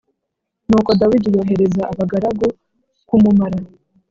Nuko Dawidi yohereza abagaragu kumumara